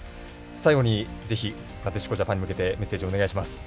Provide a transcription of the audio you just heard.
最後に、ぜひなでしこジャパンに向けてメッセージ、お願いします。